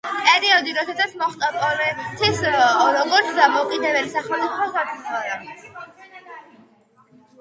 პერიოდი როდესაც მოხდა პოლონეთის როგორც დამოუკიდებელი სახელმწიფოს აღდგენა.